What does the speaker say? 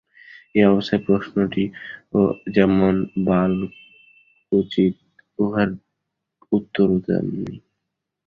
ঐ অবস্থায় প্রশ্নটিও যেমন বালকোচিত, উহার উত্তরও তেমনি।